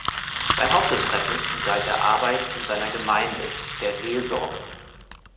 Sein Hauptinteresse galt der Arbeit in seiner Gemeinde, der Seelsorge.